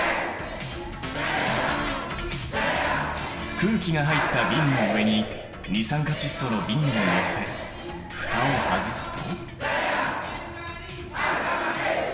空気が入った瓶の上に二酸化窒素の瓶をのせ蓋を外すと？